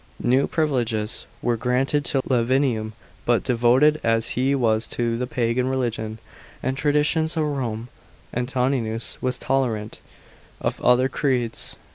New privileges were granted to Lavinium. But devoted as he was to the Pagan religion and traditions of Rome, Antoninus was tolerant of other creeds.